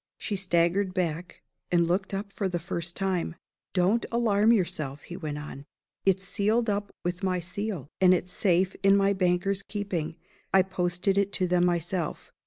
She staggered back; and looked up for the first time. "Don't alarm yourself," he went on. "It's sealed up with my seal; and it's safe in my bankers' keeping. I posted it to them myself.